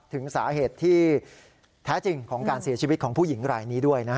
ถึงสาเหตุที่แท้จริงของการเสียชีวิตของผู้หญิงรายนี้ด้วยนะฮะ